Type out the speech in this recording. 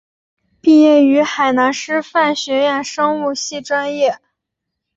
毕业于海南师范学院生物系专业。